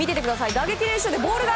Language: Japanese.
打撃練習で、ボールが！